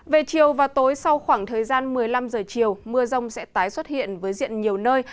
về chiều và tối sau khoảng thời gian một mươi năm giờ chiều mưa rông sẽ tái xuất hiện với diện nhiều nơi